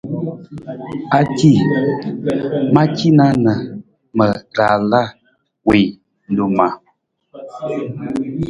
Aaji, ma cina na ma raala wi loma.